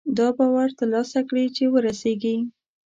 دا باور ترلاسه کړي چې وررسېږي.